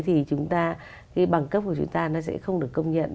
thì chúng ta cái bằng cấp của chúng ta nó sẽ không được công nhận